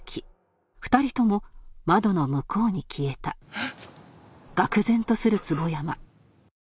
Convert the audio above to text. えっ？